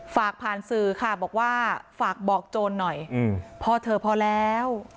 ฝากผ่านสื่อค่ะบอกว่าฝากบอกโจรหน่อยพ่อเธอพอแล้ว